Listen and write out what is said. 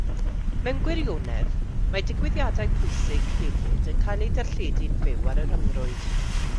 Mewn gwirionedd, mae digwyddiadau pwysig hefyd yn cael eu darlledu'n fyw ar y rhyngrwyd.